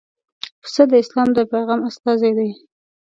پسه د اسلام د پیغام استازی دی.